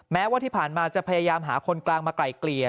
แม้ว่าที่ผ่านมาจะพยายามหาคนกลางมาไกลเกลี่ย